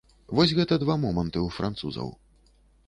Вось гэта два моманты ў французаў.